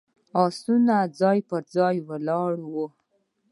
آسونه ځای پر ځای ولاړ ول.